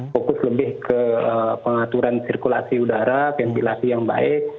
fokus lebih ke pengaturan sirkulasi udara ventilasi yang baik